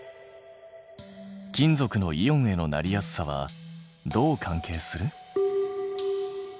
金属のイオンへのなりやすさはどう関係する？